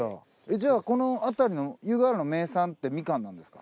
じゃあこの辺りの湯河原の名産ってみかんなんですか？